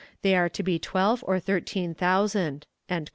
They are to be twelve or thirteen thousand."